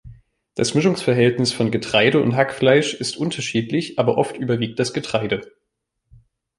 Das Mischungsverhältnis von Getreide und Hackfleisch ist unterschiedlich, aber oft überwiegt das Getreide.